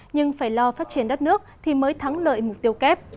nhưng phải lo phát triển đất nước thì mới thắng lợi mục tiêu kép